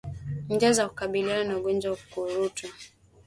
Njia za kukabiliana na ugonjwa wa ukurutu